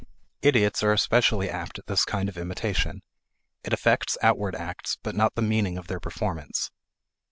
Idiots are especially apt at this kind of imitation; it affects outward acts but not the meaning of their performance.